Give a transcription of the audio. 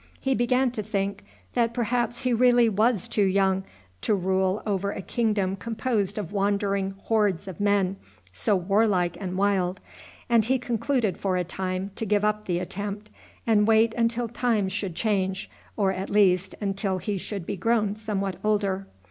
He began to think that perhaps he really was too young to rule over a kingdom composed of wandering hordes of men so warlike and wild, and he concluded for a time to give up the attempt, and wait until times should change, or, at least, until he should be grown somewhat older.